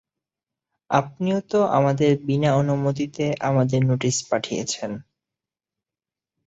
আপনিও তো আমদের বিনা অনুমতিতে আমাদের নোটিশ পাঠিয়েছেন!